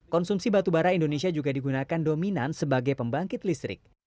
konsumsi batubara indonesia juga digunakan dominan sebagai pembangkit listrik